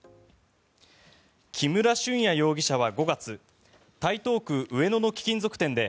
木村俊哉容疑者は５月台東区上野の貴金属店で